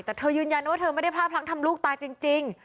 แต่เธอยืนยันนะว่าเธอไม่ได้พลาดพลั้งทำลูกตายจริง